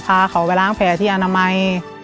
พาเขาไปล้างแผลที่อนามัย